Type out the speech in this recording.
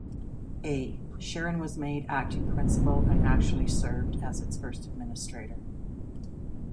A. Sharon was made acting principal and actually served as its first administrator.